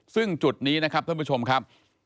ซึ่งจุดนี้นะครับท่านผู้ชมครับ